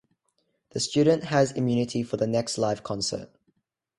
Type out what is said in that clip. This student has immunity for the next live concert.